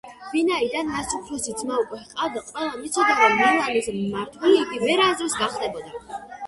ვინაიდან მას უფროსი ძმა უკვე ჰყავდა, ყველამ იცოდა, რომ მილანის მმართველი იგი ვერასოდეს გახდებოდა.